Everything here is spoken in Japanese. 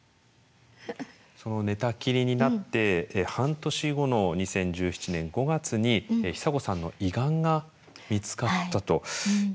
その寝たきりになって半年後の２０１７年５月に久子さんの胃がんが見つかったということで。